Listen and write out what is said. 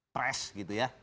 pres gitu ya